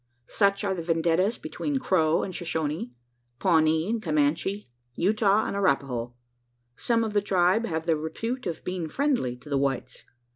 Such are the vendettas between Crow and Shoshonee, Pawnee and Comanche, Utah and Arapaho. Some of the tribe have the repute of being friendly to the whites.